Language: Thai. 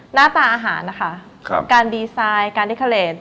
หน้าตาอาหารนะคะการดีไซน์การดิคาเลส